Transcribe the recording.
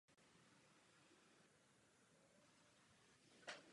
K dětem je jemný a citlivý.